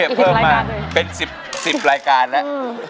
เพิ่มมาเป็น๑๐รายการแล้ว